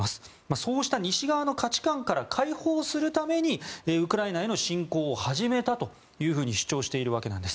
そうした西側の価値観から解放するためにウクライナへの侵攻を始めたと主張しています。